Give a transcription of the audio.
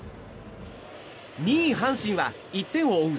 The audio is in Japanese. ２位、阪神は１点を追う